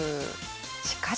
しかし。